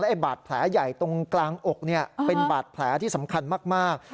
ไอ้บาดแผลใหญ่ตรงกลางอกเป็นบาดแผลที่สำคัญมาก